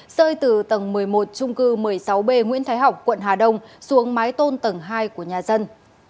rơi từ tầng một mươi một trung cư một mươi sáu b nguyễn thái học quận hà đông xuống mái tôn tầng hai của nhà dân